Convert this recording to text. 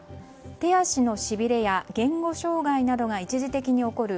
手足のしびれや言語障害などが一時的に起こる